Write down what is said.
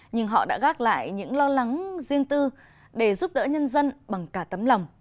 nhưng họ đã gác lại những lo lắng riêng tư để giúp đỡ nhân dân bằng cả tấm lòng